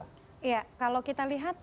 ya kalau kita lihat